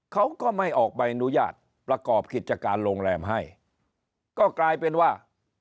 เขาก็ไม่ออกใบอนุญาตประกอบกิจการโรงแรมให้ก็กลายเป็นว่า